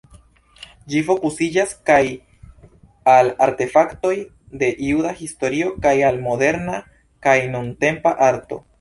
Ĝi fokusiĝas kaj al artefaktoj de juda historio kaj al moderna kaj nuntempa arto.